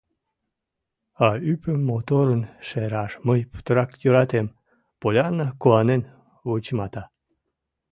— А ӱпым моторын шераш мый путырак йӧратем, — Поллианна куанен вычымата.